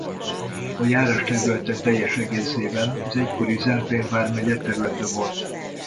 A járás területe teljes egészében az egykori Zemplén vármegye területe volt.